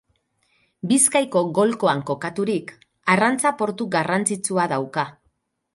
Bizkaiko golkoan kokaturik, arrantza portu garrantzitsua dauka.